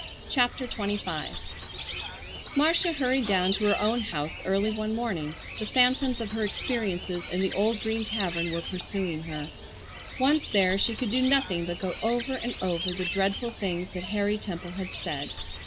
CHAPTER XXV Marcia hurried down to her own house early one morning. The phantoms of her experiences in the old Green Tavern were pursuing her. Once there she could do nothing but go over and over the dreadful things that Harry Temple had said.